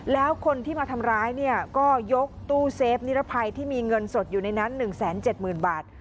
แล้วคนที่มาทำร้ายเนี่ยก็ยกตู้เซฟนิรภัยที่มีเงินสดอยู่ในนั้น๑๗๐๐๐บาท